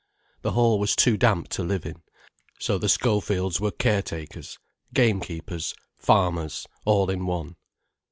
The hall was too damp to live in, so the Schofields were caretakers, gamekeepers, farmers, all in one.